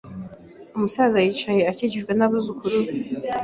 Umusaza yicaye akikijwe n'abuzukuru be.